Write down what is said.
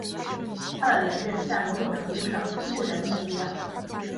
他的连任在某种程度上出乎人们的意料。